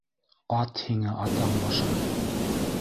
Ат һиңә атаң башын!